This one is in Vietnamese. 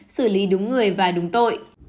xử lý đúng người và đúng tội